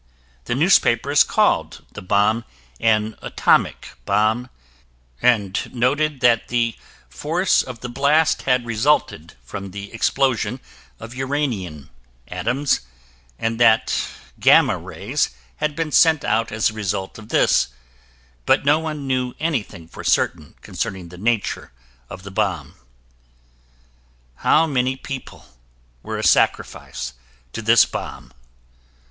The newspapers called the bomb an "atomic bomb" and noted that the force of the blast had resulted from the explosion of uranium atoms, and that gamma rays had been sent out as a result of this, but no one knew anything for certain concerning the nature of the bomb. How many people were a sacrifice to this bomb?